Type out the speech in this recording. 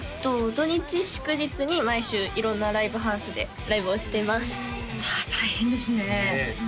土日祝日に毎週色んなライブハウスでライブをしていますじゃあ大変ですねねえ